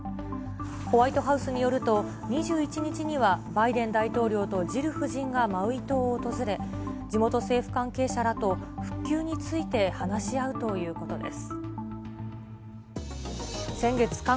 ホワイトハウスによると２１日にはバイデン大統領とジル夫人がマウイ島を訪れ、地元政府関係者らと復旧について話し合うということです。